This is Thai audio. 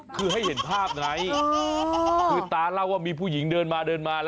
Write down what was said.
คือให้เห็นภาพไงตาเล่าว่ามีผู้หญิงเดินมาแล้ว